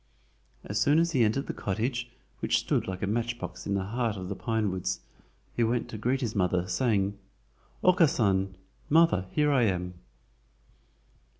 As soon as he entered the cottage, which stood like a matchbox in the heart of the pine woods, he went to greet his mother, saying: "Okkasan (mother), here I am!"